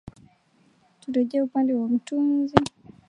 turejee upande wa utunzi mtunzi wa muziki wa taarabu kwa mfano kama hao